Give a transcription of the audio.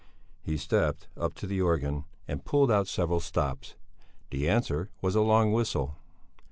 He stepped up to the organ and pulled out several stops. The answer was a long whistle.